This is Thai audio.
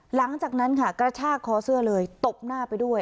หลังจากนั้นค่ะกระชากคอเสื้อเลยตบหน้าไปด้วย